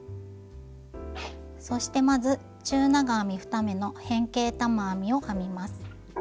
そしてまず中長編み２目の変形玉編みを編みます。